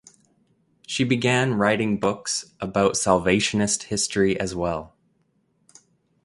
She began writing books about Salvationist history as well.